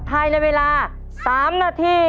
ภายในเวลา๓นาที